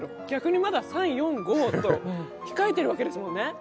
逆にまだ３４５と控えてるわけですもんね。